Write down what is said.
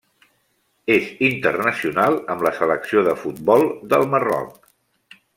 És internacional amb la selecció de futbol del Marroc.